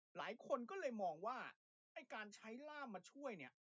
หลายคนก็เลยมองว่าไอ้การใช้ล่ามมาช่วยเนี่ย